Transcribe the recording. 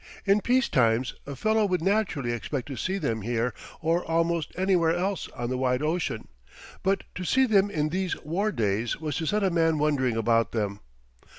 In peace times a fellow would naturally expect to see them here, or almost anywhere else on the wide ocean; but to see them in these war days was to set a man wondering about them.